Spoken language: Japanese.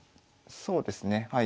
そうですねはい。